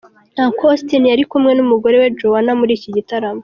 Uncle Austin yari kumwe n'umugore we Joannah muri iki gitaramo.